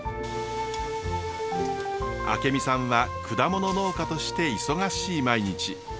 明美さんは果物農家として忙しい毎日。